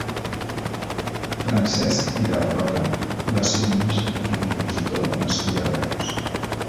Francesc Vidal Roca va ser un músic i compositor nascut a Reus.